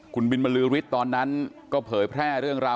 คุณบินบรือฤทธิ์ตอนนั้นก็เผยแพร่เรื่องราว